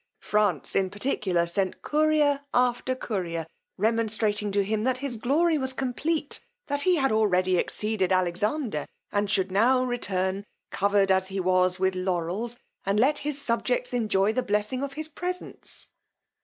France in particular sent courier after courier, remonstrating to him that his glory was complete; that he had already exceeded Alexander, and should now return covered, as he was, with lawrels, and let his subjects enjoy the blessing of his presence.